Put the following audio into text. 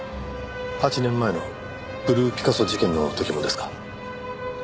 ８年前のブルーピカソ事件の時もですか？